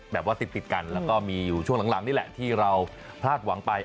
แบบว่าติดกันแล้วก็มีอยู่ช่วงหลังนี่แหละที่เราพลาดหวังไป